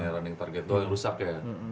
oh running target doang rusak ya